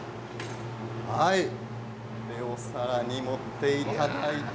これをお皿に盛っていただいて。